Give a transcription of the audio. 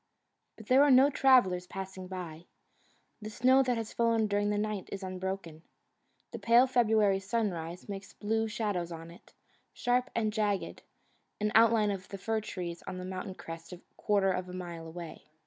But there are no travellers passing by. The snow that has fallen during the night is unbroken. The pale February sunrise makes blue shadows on it, sharp and jagged, an outline of the fir trees on the mountain crest quarter of, a mile away.